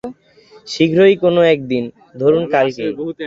শীঘ্রই কোনো একদিন, ধরুন কালকেই।